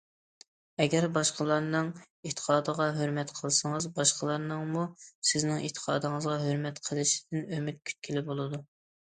ئەگەر باشقىلارنىڭ ئېتىقادىغا ھۆرمەت قىلسىڭىز، باشقىلارنىڭمۇ سىزنىڭ ئېتىقادىڭىزغا ھۆرمەت قىلىشىدىن ئۈمىد كۈتكىلى بولىدۇ.